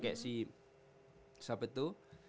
kayak si siapa itu